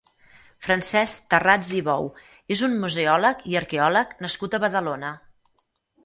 Francesc Tarrats i Bou és un museòleg i arqueòleg nascut a Badalona.